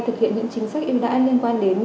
thực hiện những chính sách yêu đãi liên quan đến